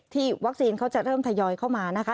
วัคซีนเขาจะเริ่มทยอยเข้ามานะคะ